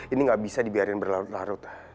ini nggak bisa dibiarin berlarut larut